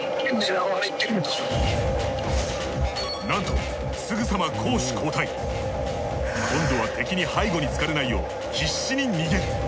なんとすぐさま今度は敵に背後につかれないよう必死に逃げる。